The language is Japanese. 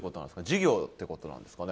事業ってことなんですかね？